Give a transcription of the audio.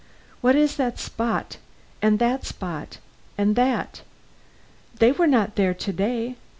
"What is that spot, and that spot, and that? They were not there to day.